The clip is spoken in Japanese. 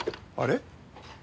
あれ？